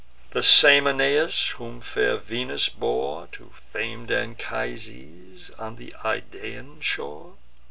The same Aeneas whom fair Venus bore To fam'd Anchises on th' Idaean shore?